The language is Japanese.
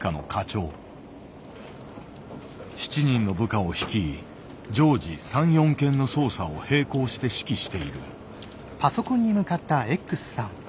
７人の部下を率い常時３４件の捜査を並行して指揮している。